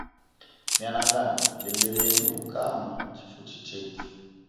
Mianangana lembelenuko kama chifuchi chethu.